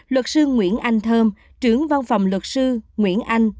luật sư nguyễn anh thơm trưởng văn phòng luật sư nguyễn anh